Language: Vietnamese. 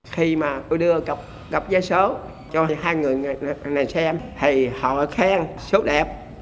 khi mà tôi đưa cọc vé số cho hai người này xem thì họ khen số đẹp